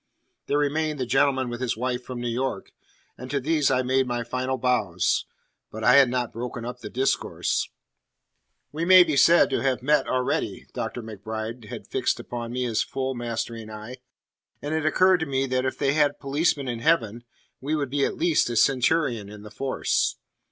There remained the gentleman with his wife from New York, and to these I made my final bows. But I had not broken up the discourse. "We may be said to have met already." Dr. MacBride had fixed upon me his full, mastering eye; and it occurred to me that if they had policemen in heaven, he would be at least a centurion in the force.